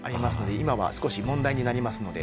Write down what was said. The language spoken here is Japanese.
今は少し問題になりますので。